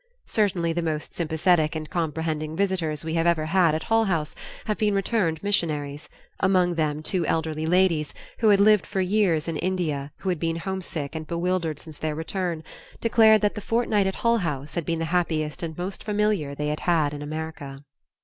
Certainly the most sympathetic and comprehending visitors we have ever had at Hull House have been returned missionaries; among them two elderly ladies, who had lived for years in India and who had been homesick and bewildered since their return, declared that the fortnight at Hull House had been the happiest and most familiar they had had in America.